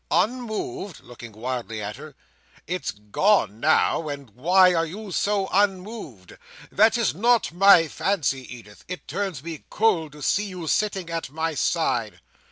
"Unmoved?" looking wildly at her—"it's gone now—and why are you so unmoved? That is not my fancy, Edith. It turns me cold to see you sitting at my side."